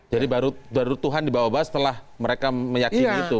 jadi baru tuhan dibawa bawa setelah mereka meyakini itu